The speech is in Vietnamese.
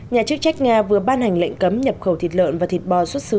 nhà chức trách nga vừa ban hành lệnh cấm nhập khẩu thịt lợn và thịt bò xuất xứ